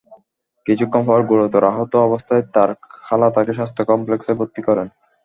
কিছুক্ষণ পরই গুরুতর আহত অবস্থায় তার খালা তাকে স্বাস্থ্য কমপ্লেক্সে ভর্তি করেন।